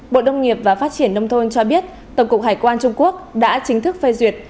bộ đông nghiệp và phát triển nông thôn cho biết tổng cục hải quan trung quốc đã chính thức phê duyệt